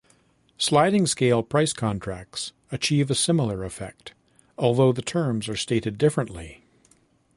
Sliding-scale price contracts achieve a similar effect, although the terms are stated differently.